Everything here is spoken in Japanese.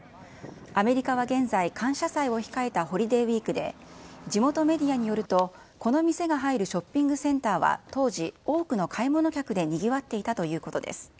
アメリカは現在、感謝祭を控えたホリデーウイークで、地元メディアによると、この店が入るショッピングセンターは当時、多くの買い物客でにぎわっていたということです。